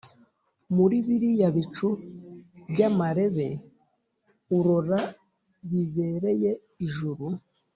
Muri biriya bicu by'amarebe Urora bibereye ijuru